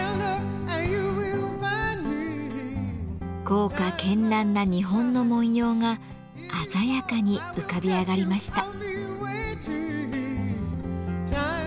豪華けんらんな日本の文様が鮮やかに浮かび上がりました。